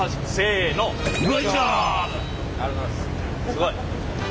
すごい。